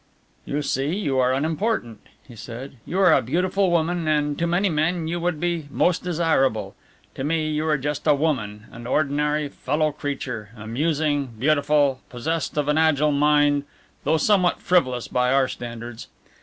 "You see you are unimportant," he said, "you are a beautiful woman and to many men you would be most desirable. To me, you are just a woman, an ordinary fellow creature, amusing, beautiful, possessed of an agile mind, though somewhat frivolous by our standards.